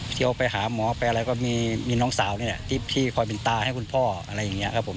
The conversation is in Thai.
เที่ยวไปหาหมอไปอะไรก็มีน้องสาวนี่แหละที่พี่คอยเป็นตาให้คุณพ่ออะไรอย่างนี้ครับผม